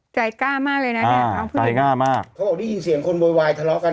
ใจกล้ามากเลยนะอ่าใจง่ามากเขาบอกที่ยินเสียงคนบ่อยบ่ายทะเลาะกัน